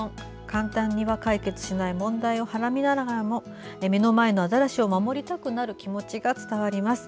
簡単に解決しない問題をはらみながらも目の前のアザラシを守りたくなる気持ちが伝わります。